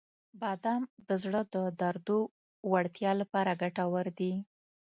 • بادام د زړه د دردو وړتیا لپاره ګټور دي.